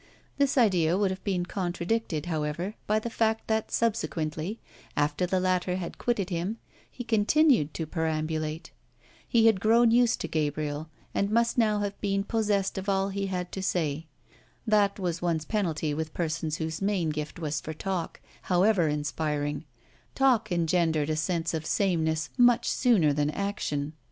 This idea would have been contradicted, however, by the fact that subsequently, after the latter had quitted him, he continued to perambulate. He had grown used to Gabriel and must now have been possessed of all he had to say. That was one's penalty with persons whose main gift was for talk, however inspiring; talk engendered a sense of sameness much sooner than action.